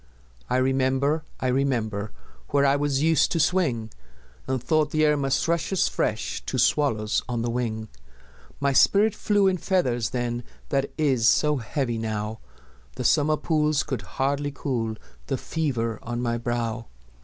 I remember, I remember Where I was used to swing, And thought the air must rush as fresh To swallows on the wing; My spirit flew in feathers then That is so heavy now, The summer pools could hardly cool The fever on my brow.